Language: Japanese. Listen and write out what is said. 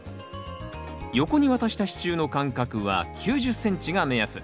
横に渡した支柱の間隔は９０ｃｍが目安。